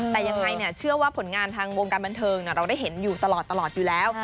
แต่ยังไงสิวะผลงานวงการบรรเทิงเราได้เห็นอยู่ตลอดอยู่แล้ว